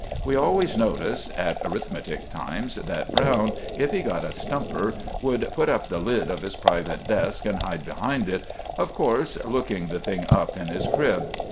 We always noticed, at arithmetic times, that Browne, if he got a stumper, would put up the lid of his private desk and hide behind it of course, looking the thing up in his crib.